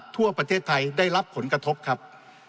ทั่วประเทศไทยได้รับผลกระทบครับ